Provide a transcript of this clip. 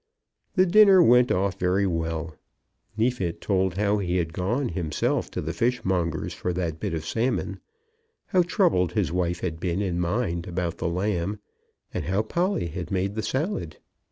The dinner went off very well. Neefit told how he had gone himself to the fishmonger's for that bit of salmon, how troubled his wife had been in mind about the lamb, and how Polly had made the salad.